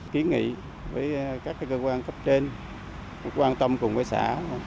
kiến nghị với các cơ quan cấp trên quan tâm cùng với xã